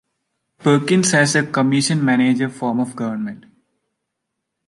Perkins has a commission-manager form of government.